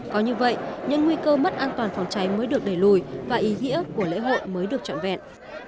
có như vậy nhưng nguy cơ mất an toàn phòng cháy mới được đẩy lùi và ý nghĩa của lễ hội mới được trọn vẹn